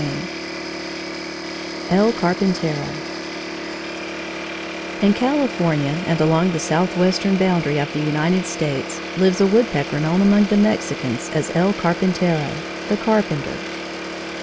VIII EL CARPINTERO In California and along the southwestern boundary of the United States lives a woodpecker known among the Mexicans as El Carpintero, the Carpenter.